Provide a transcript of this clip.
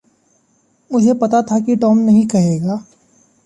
मुझे पता था कि टॉम नहीं कहेगा।